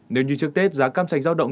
nếu như trước tết giá cam sành giao động